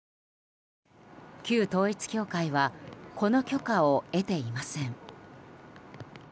旧統一教会はこの許可を得ていません。